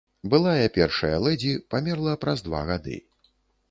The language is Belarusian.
Былая першая лэдзі памерла праз два гады.